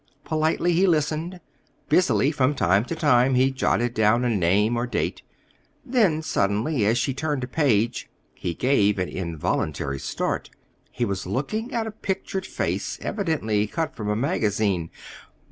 Politely he listened. Busily, from time to time, he jotted down a name or date. Then, suddenly, as she turned a page, he gave an involuntary start. He was looking at a pictured face, evidently cut from a magazine.